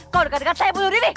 kalau dekat dekat saya bunuh diri